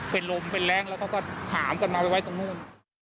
เป็นลมเป็นแรงแล้วก็ก็ห้ามกันมาไว้ใกล้ตรงนั้น